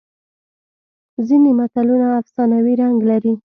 ځینې متلونه افسانوي رنګ لري